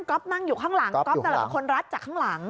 นั่งอยู่ข้างหลังก๊อฟนั่นแหละเป็นคนรัดจากข้างหลัง